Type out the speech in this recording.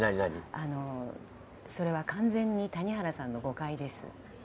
あのそれは完全に谷原さんの誤解です。